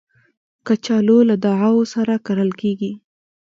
کچالو له دعاوو سره کرل کېږي